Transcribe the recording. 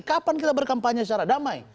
kapan kita berkampanye secara damai